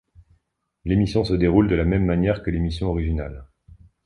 L'émission se déroule de la même manière que l'émission originale.